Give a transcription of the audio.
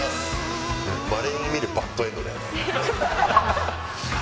まれに見るバッドエンドだよね。